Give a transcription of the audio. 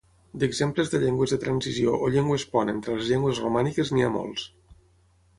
D'exemples de llengües de transició o llengües pont entre les llengües romàniques n'hi ha molts.